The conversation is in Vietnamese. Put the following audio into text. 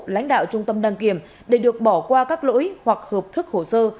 lãnh đạo trung tâm đăng kiểm để được bỏ qua các lỗi hoặc hợp thức hồ sơ